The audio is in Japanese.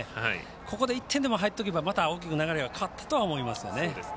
ここで１点でも入っておけば大きく流れは変わったと思います。